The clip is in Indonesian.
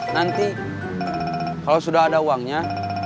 nanti kalau sudah ada uangnya